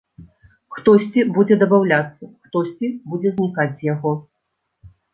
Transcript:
Хтосьці будзе дабаўляцца, хтосьці будзе знікаць з яго.